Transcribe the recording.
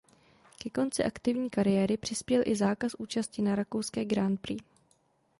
Ke konci aktivní kariéry přispěl i zákaz účasti na rakouské Grand Prix.